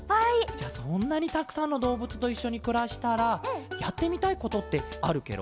じゃそんなにたくさんのどうぶつといっしょにくらしたらやってみたいことってあるケロ？